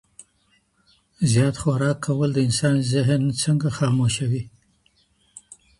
زيات خوراک کول د انسان ذهن څنګه خاموشوي؟